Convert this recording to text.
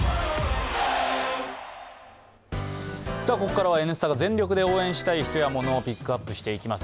ここからは「Ｎスタ」が全力で応援したい人やモノをピックアップしていきます